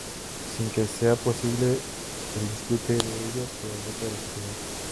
Sin que sea posible el disfrute de ellos por el resto de la sociedad.